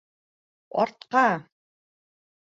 — Артҡа!